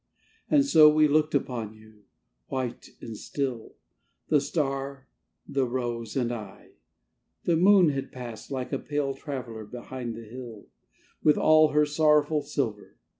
And so we looked upon you, white and still, The star, the rose, and I. The moon had past, Like a pale traveler, behind the hill With all her sorrowful silver.